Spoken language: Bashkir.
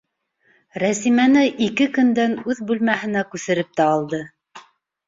Рәсимәне ике көндән үҙ бүлмәһенә күсереп тә алды.